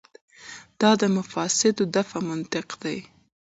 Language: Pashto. دا د مفاسدو دفع منطق دی.